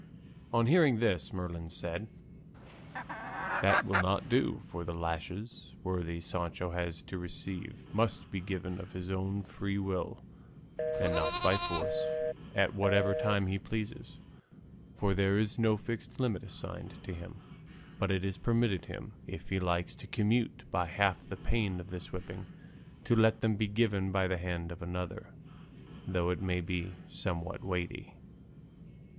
On hearing this Merlin said, "That will not do, for the lashes worthy Sancho has to receive must be given of his own free will and not by force, and at whatever time he pleases, for there is no fixed limit assigned to him; but it is permitted him, if he likes to commute by half the pain of this whipping, to let them be given by the hand of another, though it may be somewhat weighty."